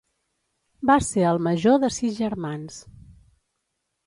Va ser el major de sis germans.